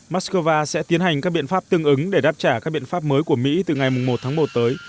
mắc cơ va sẽ tiến hành các biện pháp tương ứng để đáp trả các biện pháp mới của mỹ từ ngày một tháng một tới